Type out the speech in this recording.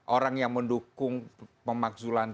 orang yang mendukung pemakzulan